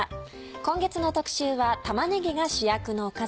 今月の特集は「玉ねぎが主役のおかず」。